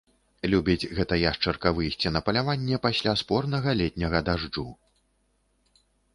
Любіць гэта яшчарка выйсці на паляванне пасля спорнага летняга дажджу.